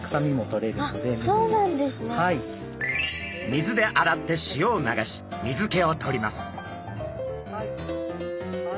水で洗って塩を流し水けを取ります。